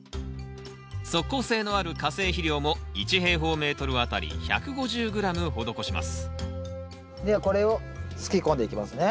速効性のある化成肥料も１あたり１５０ｇ施しますではこれをすき込んでいきますね